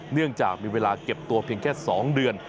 เนื่องจากมีเวลาเก็บตัวเพียงแค่๒เดือน